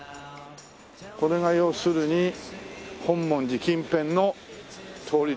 これが要するに本門寺近辺の通りというねっ。